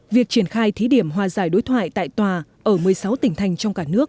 việc triển khai thí điểm hòa giải đối thoại tại tòa ở một mươi sáu tỉnh thành trong cả nước